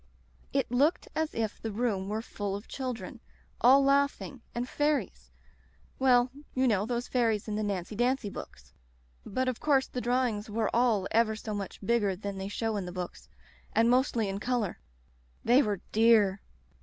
It looked as if the room were full of children, Digitized by LjOOQ IC The Rubber Stamp all laughing — ^and fairies — ^well, you know those fairies in the Nancy Dancy books. But of course the drawings were all ever so much bigger than they show in the books, and mostly in color. They were dear!